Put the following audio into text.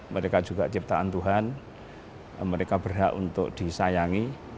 mereka juga ciptaan tuhan mereka berhak untuk disayangi